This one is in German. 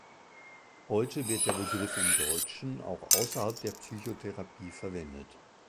Heute wird der Begriff im Deutschen auch außerhalb der Psychotherapie verwendet.